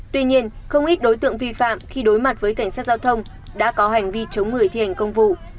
tuy nhiên không ít đối tượng vi phạm khi đối mặt với cảnh sát giao thông đã có hành vi chống người thi hành công vụ